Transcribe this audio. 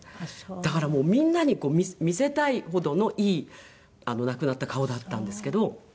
だからみんなに見せたいほどのいい亡くなった顔だったんですけど。